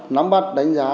nắm bắt đánh giá